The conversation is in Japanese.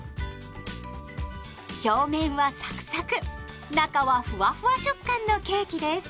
表面はサクサク中はふわふわ食感のケーキです。